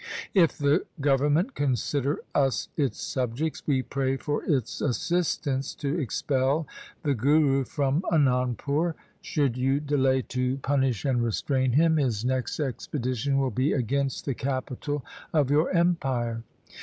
If the govern ment consider us its subjects, we pray for its assist ance to expel the Guru from Anandpur. Should you delay to punish and restrain him, his next 122 THE SIKH RELIGION expedition will be against the capital of your empire.'